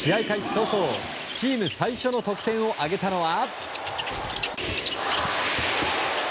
早々チーム最初の得点を挙げたのは。